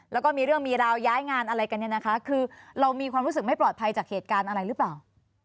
แล้วก็มีเรื่องมีราวย้ายงานอะไรกันเนี่ยนะคะคือเรามีความรู้สึกไม่ปลอดภัยจากเหตุการณ์อะไรหรือเปล่า